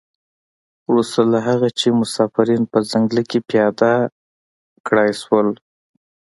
وروسته له هغه چې مسافرین په ځنګله کې پیاده کړای شول.